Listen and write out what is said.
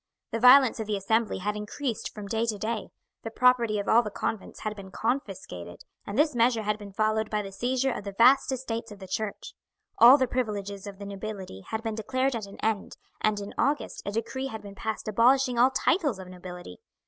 The violence of the Assembly had increased from day to day. The property of all the convents had been confiscated, and this measure had been followed by the seizure of the vast estates of the church. All the privileges of the nobility had been declared at an end, and in August a decree had been passed abolishing all titles of nobility.